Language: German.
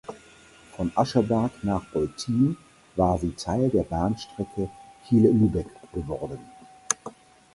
Von Ascheberg nach Eutin war sie Teil der Bahnstrecke Kiel–Lübeck geworden.